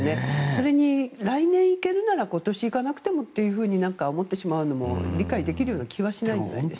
それに、来年行けるなら今年行かなくてもと思ってしまうのも理解できるような気がします。